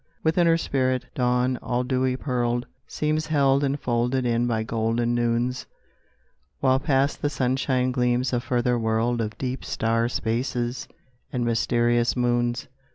Within her spirit, dawn, all dewy pearled, Seems held and folded in by golden noons, While past the sunshine gleams a further world Of deep star spaces and mysterious moons.